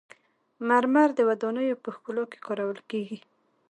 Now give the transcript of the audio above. مرمر د ودانیو په ښکلا کې کارول کیږي.